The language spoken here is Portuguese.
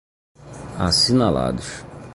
assinalados